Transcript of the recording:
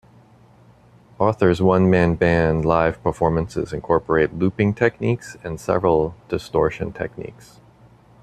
Arthur's one man band live performances incorporate looping techniques and several distortion techniques.